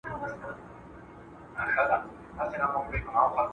سترېس ممکن د وریښتانو توېدل زیات کړي.